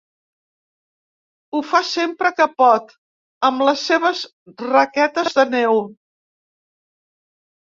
Ho fa sempre que pot, amb les seves raquetes de neu.